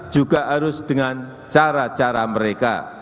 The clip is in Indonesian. juga harus dengan cara cara mereka